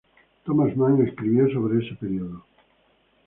Thomas Mann escribió sobre ese período.